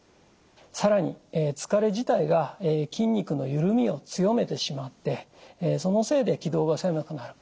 更に疲れ自体が筋肉のゆるみを強めてしまってそのせいで気道が狭くなる。